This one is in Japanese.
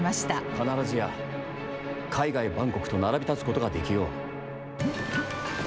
必ずや、海外万国と並び立つことができよう。